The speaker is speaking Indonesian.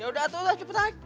ya udah atuh cepetan